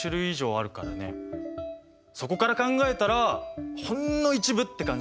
そこから考えたらほんの一部って感じだよ。